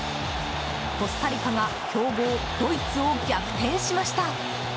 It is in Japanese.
コスタリカが強豪ドイツを逆転しました。